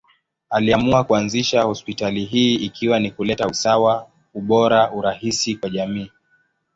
Aliamua kuanzisha hospitali hii ikiwa ni kuleta usawa, ubora, urahisi kwa jamii.